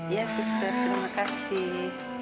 iya sisten terima kasih